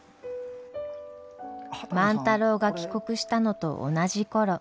万太郎が帰国したのと同じ頃。